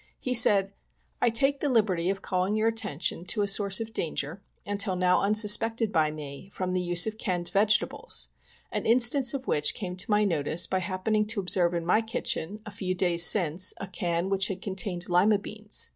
He said :" I take the liberty of calling your attention to a source of POISONING BY CANNED GOODS. 65 clanger, until now unsuspected by me, from the use of canned vegetables, an instance of which came to my notice by hap pening to observe in my kitchen, a few days since, a can which had contained lima beans.